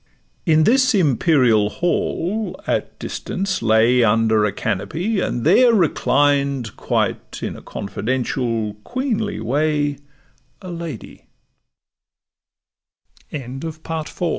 In this imperial hall, at distance lay Under a canopy, and there reclined Quite in a confidential queenly way, A lady; Baba stopp'd, an